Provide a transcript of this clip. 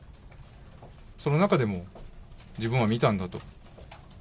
その中でも、自分は見たんだと。